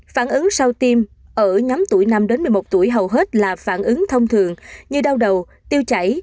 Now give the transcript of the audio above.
phản ứng sau tim ở nhóm tuổi năm một mươi một tuổi hầu hết là phản ứng thông thường như đau đầu tiêu chảy